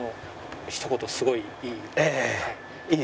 ひと言すごい「いい」。